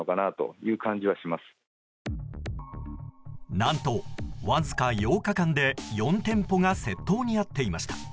何と、わずか８日間で４店舗が窃盗に遭っていました。